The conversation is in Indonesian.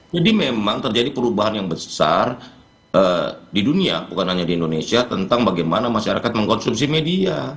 jadi memang terjadi perubahan yang besar di dunia bukan hanya di indonesia tentang bagaimana masyarakat mengkonsumsi media